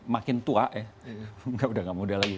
makin tua ya